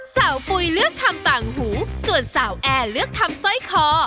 ปุ๋ยเลือกทำต่างหูส่วนสาวแอร์เลือกทำสร้อยคอ